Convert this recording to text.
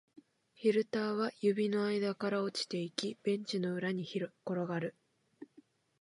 フィルターは指の間から落ちていき、ベンチの裏に転がる